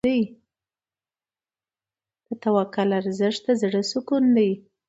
د توکل ارزښت د زړه سکون دی.